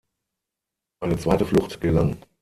Eine zweite Flucht gelang.